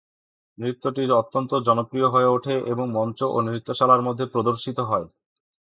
নৃত্যটি অত্যন্ত জনপ্রিয় হয়ে ওঠে এবং মঞ্চ ও নৃত্যশালার মধ্যে প্রদর্শিত হয়।